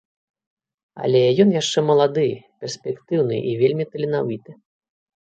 Але ён яшчэ малады, перспектыўны і вельмі таленавіты.